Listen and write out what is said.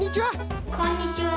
こんにちは！